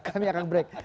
kami akan break